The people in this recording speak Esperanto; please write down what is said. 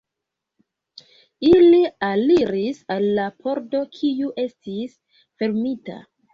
Ili aliris al la pordo, kiu estis fermita.